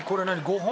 ５本。